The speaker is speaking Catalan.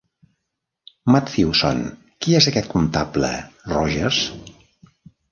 Matthewson, qui és aquest comptable, Rogers.